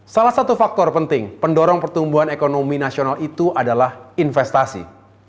salah satu faktor penting pendorong pertumbuhan ekonomi nasional itu adalah investasi